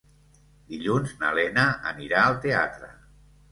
Dilluns na Lena anirà al teatre.